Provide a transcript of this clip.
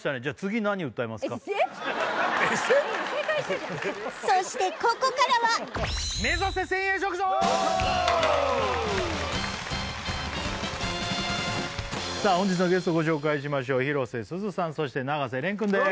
今正解したじゃんそしてここからは目指せ１０００円食堂本日のゲストご紹介しましょう広瀬すずさんそして永瀬廉くんです